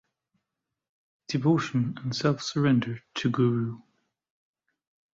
Devotion and self-surrender to guru.